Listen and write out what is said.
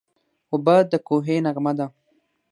اوبه د کوهي نغمه ده.